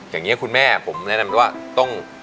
อย่างนี้คุณแม่ผมแนะนำว่าต้อง